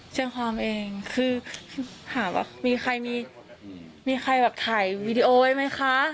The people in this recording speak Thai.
แจ้งความเองคือหาว่ามีใครมีใครแบบถ่ายวีดีโอไว้ไหมคะ